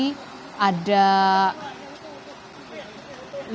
lima jenazah yang sudah dikepung oleh kondisi